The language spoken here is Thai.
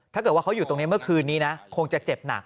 ถ้าเกิดว่าเขาอยู่ตรงนี้เมื่อคืนนี้นะคงจะเจ็บหนัก